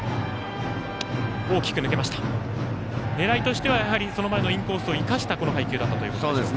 狙いとしてはインコースを生かした配球だったということでしょうか。